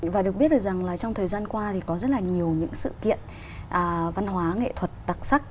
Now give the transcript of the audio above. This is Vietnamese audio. và được biết được rằng trong thời gian qua có rất nhiều sự kiện văn hóa nghệ thuật đặc sắc